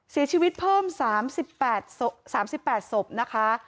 เสียชีวิตเพิ่ม๓๘ศพนะคะ